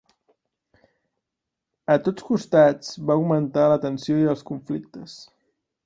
A tots costats va augmentar la tensió i els conflictes.